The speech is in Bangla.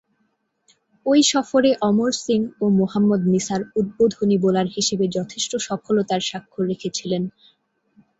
ঐ সফরে অমর সিং ও মোহাম্মদ নিসার উদ্বোধনী বোলার হিসেবে যথেষ্ট সফলতার স্বাক্ষর রেখেছিলেন।